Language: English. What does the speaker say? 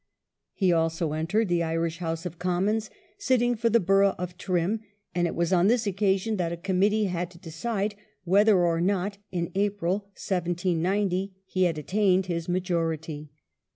He also entered the Irish House of Commons, sitting for the borough of Trim, and it was on this occasion that a committee had to decide whether or not, in April, 1790, he had attained his majority.